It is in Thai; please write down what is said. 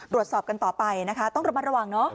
ตรวจสอบกันต่อไปนะคะต้องระมัดระวังเนอะ